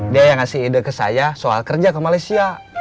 dia yang ngasih ide ke saya soal kerja ke malaysia